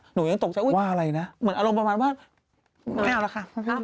หนูยังตกใจอุ๊ยอารมณ์ประมาณว่าไม่เอาล่ะค่ะ